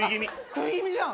食い気味じゃん。